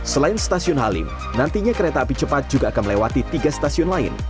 selain stasiun halim nantinya kereta api cepat juga akan melewati tiga stasiun lain